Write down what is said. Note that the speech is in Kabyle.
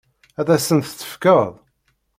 Ad as-tent-tefkeḍ?